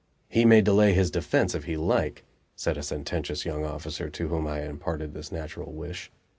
"He may delay his defense if he like," said a sententious young officer to whom I had imparted this natural wish.